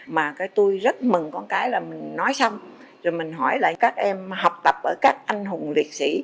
mà tôi rất mừng con cái là mình nói xong rồi mình hỏi lại các em học tập ở các anh hùng liệt sĩ